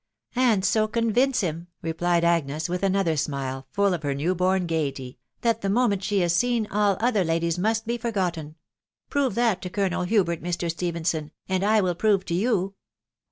" And so convince him/* replied Agnes, with another smile, full of her new born gaiety, " that the moment she is seen all other ladies must be forgotten, •..* prove that to Colonel Hubert, Mr. Stephenson, and I will prove to you